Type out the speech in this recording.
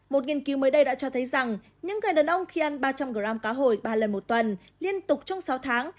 một nghiên cứu mới đây đã cho thấy rằng những người đàn ông khi ăn ba trăm linh g cá hồi ba lần một tuần liên tục trong sáu tháng